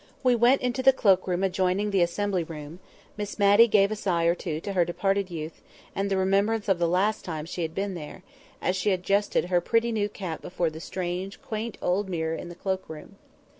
We went into the cloak room adjoining the Assembly Room; Miss Matty gave a sigh or two to her departed youth, and the remembrance of the last time she had been there, as she adjusted her pretty new cap before the strange, quaint old mirror in the cloak room.